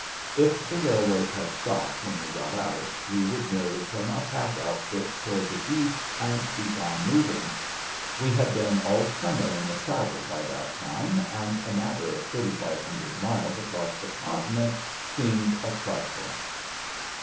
If the railroads had stopped when we got out, we would merely turn our pack outfit toward the east and keep on moving. We had been all summer in the saddle by that time, and a matter of thirty five hundred miles across the continent seemed a trifle.